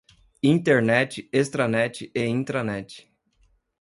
Internet, extranet e intranet